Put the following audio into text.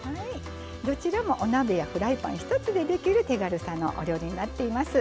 どちらもお鍋やフライパン一つでできる手軽さのお料理になっています。